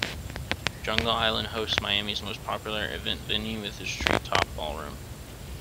Jungle Island hosts Miami's most popular event venue with its Treetop Ballroom.